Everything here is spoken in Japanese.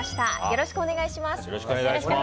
よろしくお願いします。